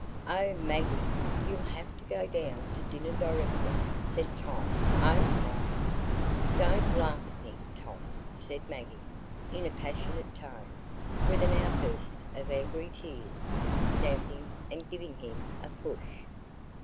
"Oh, Maggie, you'll have to go down to dinner directly," said Tom. "Oh, my!" "Don't laugh at me, Tom," said Maggie, in a passionate tone, with an outburst of angry tears, stamping, and giving him a push.